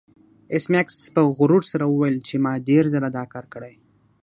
ایس میکس په غرور سره وویل چې ما ډیر ځله دا کار کړی